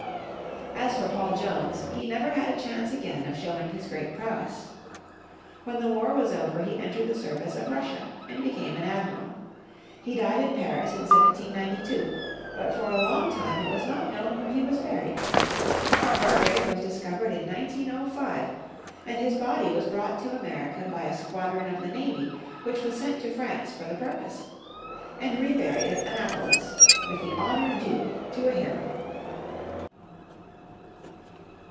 As for Paul Jones he never had a chance again of showing his great prowess. When the war was over he entered the service of Russia, and became an admiral. He died in Paris in 1792, but for a long time it was not known where he was buried. His grave was discovered in 1905, and his body was brought to America by a squadron of the navy which was sent to France for the purpose, and reburied at Annapolis with the honour due to a hero.